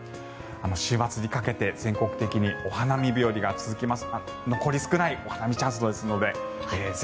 週末にかけて全国的にお花見日和が続きます。